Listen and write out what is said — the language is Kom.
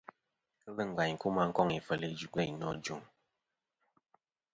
Ghelɨ ngvaynkuma koŋ ifel igveyn no.